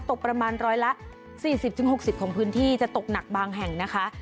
ตกประมาณร้อยละ๔๐๖๐ของพื้นที่จะตกหนักบางแห่งนะคะ